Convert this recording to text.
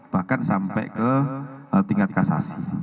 bahkan sampai ke tingkat kasasi